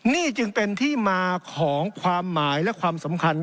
นี่จึงเป็นที่มาของความหมายและความสำคัญ